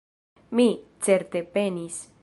Mi, certe, penis.